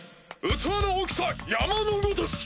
器の大きさ山のごとし！